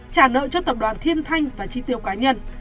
trả nợ cho tập đoàn thiên thanh và chi tiêu cá nhân